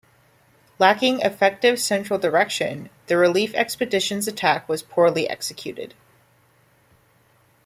Lacking effective central direction, the relief expedition's attack was poorly executed.